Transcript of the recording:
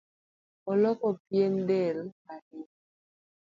Oluoko pien del ahinya.